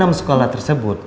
dari enam sekolah tersebut